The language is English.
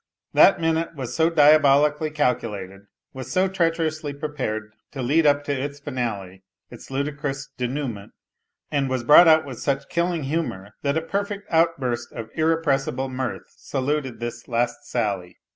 That minute was so diabolically calculated, was so treacherously prepared to lead up to its finale, its ludicrous denouement, and was brought out with such killing humour that a perfect outburst of irrepressible mirth saluted this last sally.